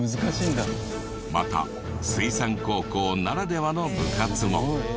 また水産高校ならではの部活も。